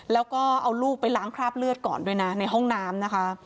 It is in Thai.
แล้วก็เอาลูกไปล้างคราบเลือดก่อนด้วยนะในห้องน้ำนะคะ